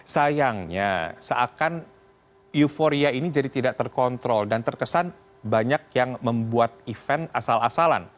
sayangnya seakan euforia ini jadi tidak terkontrol dan terkesan banyak yang membuat event asal asalan